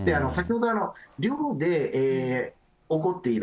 先ほど、寮で起こっている。